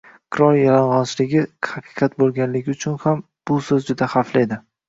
Qirol yalang‘ochligi haqiqat bo‘lganligi uchun ham bu so‘z juda xavfli edi